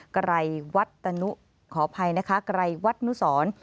ไกรวัตนุขออภัยนะคะไกรวัตนุสร